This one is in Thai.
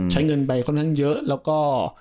ใช้เงินไปค่อนข้างเยอะแล้วก็